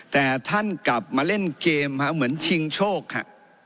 แต่ท่านกลับมาเล่นเกมเหมือนชิงโชคฮะ